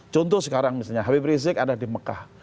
contoh sekarang misalnya habib rizik ada di mekah